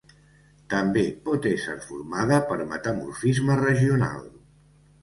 També pot ésser formada per metamorfisme regional.